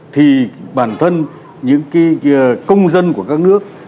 thì bản thân những công dân của các nước